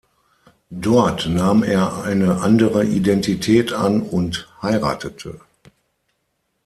Dort nahm er eine andere Identität an und heiratete.